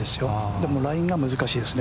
でもラインが難しいですね。